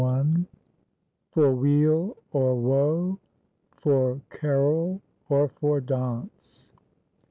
'FOK wele or wo, for CAROLE, OR FOR DAUNCE.'